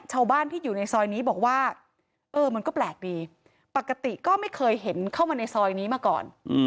ชาวบ้านที่อยู่ในซอยนี้บอกว่าเออมันก็แปลกดีปกติก็ไม่เคยเห็นเข้ามาในซอยนี้มาก่อน